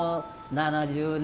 ７０年。